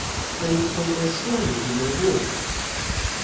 They em ployed their flaves in their war^.